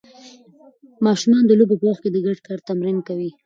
ماشومان د لوبو په وخت کې د ګډ کار تمرین کوي.